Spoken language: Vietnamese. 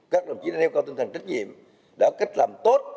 các đồng chí đang yêu cầu tinh thần trách nhiệm đó là cách làm tốt